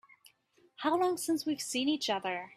How long since we've seen each other?